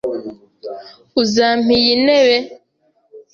Uzampa iyi ntebe?